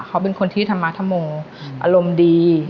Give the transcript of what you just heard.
เขาเป็นคนที่ธรรมธโมอารมณ์ดี